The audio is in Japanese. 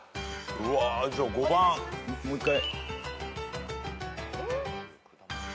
うわじゃあ５番もう一回。